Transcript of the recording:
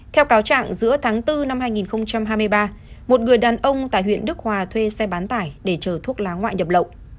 theo cáo trạng giữa tháng bốn năm hai nghìn hai mươi ba một người đàn ông tại huyện đức hòa thuê xe bán tải để chờ thuốc lá ngoại nhập lậu